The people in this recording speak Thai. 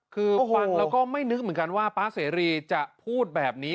คือฟังแล้วก็ไม่นึกเหมือนกันว่าป๊าเสรีจะพูดแบบนี้